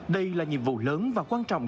đây là nhiệm vụ lớn và quan trọng